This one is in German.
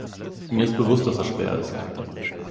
Mir ist bewusst, dass das schwer ist.